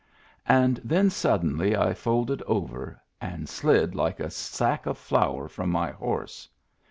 And then suddenly I folded over and slid like a sack of flour from my horse.